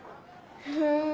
ふん。